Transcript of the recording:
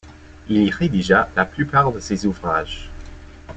Il y rédigea la plupart de ses ouvrages.